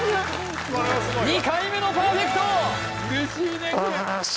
２回目のパーフェクトおし！